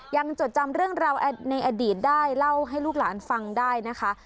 จดจำเรื่องราวในอดีตได้เล่าให้ลูกหลานฟังได้นะคะ